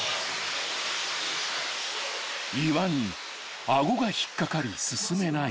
［岩に顎が引っ掛かり進めない］